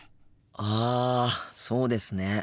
ああそうですね。